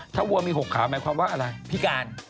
ถ้าวัวมี๖ขาหมายความว่าอะไรพิการ